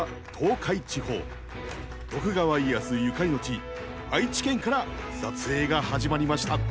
徳川家康ゆかりの地愛知県から撮影が始まりました。